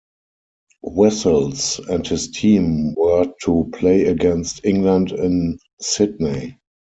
Wessels and his team were to play against England in Sydney.